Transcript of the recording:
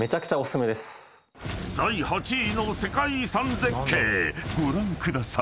［第８位の世界遺産絶景ご覧ください］